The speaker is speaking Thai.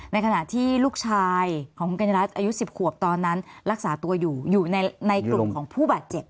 ในขณะที่ลูกชายของคุณกัญญารัฐอายุ๑๐ขวบตอนนั้นรักษาตัวอยู่อยู่ในกลุ่มของผู้บาดเจ็บ